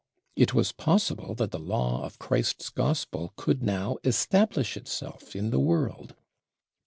It was possible that the Law of Christ's Gospel could now establish itself in the world!